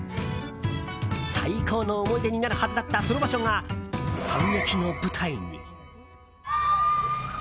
最高の思い出になるはずだったその場所が惨劇の舞台に。